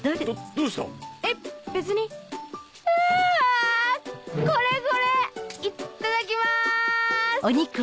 いっただきます！